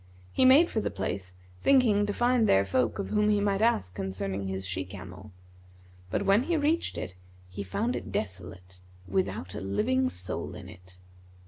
He made for the place thinking to find there folk of whom he might ask concerning his she camel; but, when he reached it, he found it desolate, without a living soul in it.